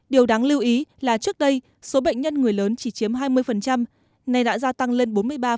điều đáng lưu ý là trước đây số bệnh nhân người lớn chỉ chiếm hai mươi nay đã gia tăng lên bốn mươi ba